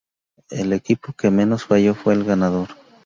El equipo que menos falló fue el ganador.